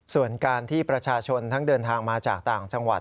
ส่วนการที่ประชาชนทั้งเดินทางมาจากต่างจังหวัด